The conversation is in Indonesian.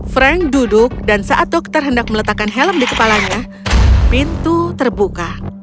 frank duduk dan saat dokter hendak meletakkan helm di kepalanya pintu terbuka